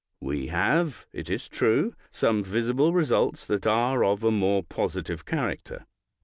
We have, it is true, some visible results that are of a more positive character.